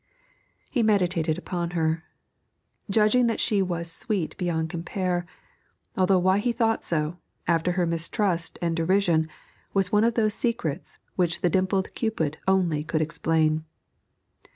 He meditated upon her, judging that she was sweet beyond compare, although why he thought so, after her mistrust and derision, was one of those secrets which the dimpled Cupid only could explain.